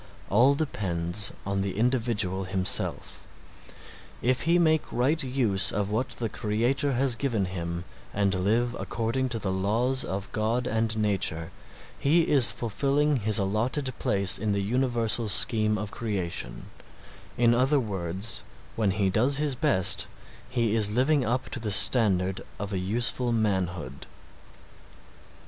All depends upon the individual himself. If he make right use of what the Creator has given him and live according to the laws of God and nature he is fulfilling his allotted place in the universal scheme of creation, in other words, when he does his best, he is living up to the standard of a useful manhood.